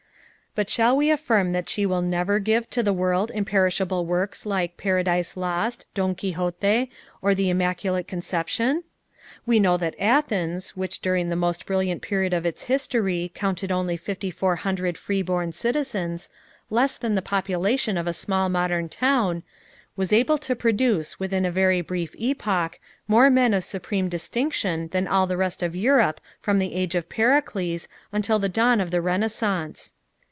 But shall we affirm that she will never give to the world imperishable works like Paradise Lost, Don Quixote or the Immaculate Conception? We know that Athens, which during the most brilliant period of its history counted only fifty four hundred free born citizens less than the population of a small modern town was able to produce within a very brief epoch more men of supreme distinction than all the rest of Europe from the Age of Pericles until the dawn of the Renaissance.